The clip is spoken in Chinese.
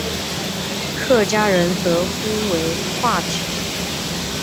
客家人则呼为挂纸。